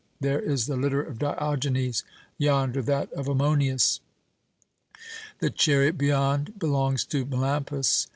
There is the litter of Diogenes yonder that of Ammonius. The chariot beyond belongs to Melampous.